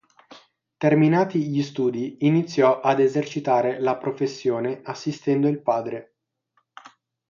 Terminati gli studi iniziò ad esercitare la professione assistendo il padre.